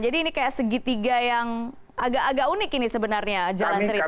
jadi ini kayak segitiga yang agak agak unik ini sebenarnya jalan ceritanya